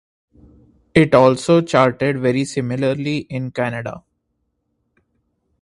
It also charted very similarly in Canada.